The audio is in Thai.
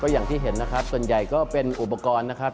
อย่างที่เห็นส่วนใหญ่ก็เป็นอุปกรณ์